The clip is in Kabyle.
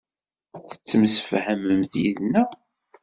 Tettemsefhamemt yid-neɣ.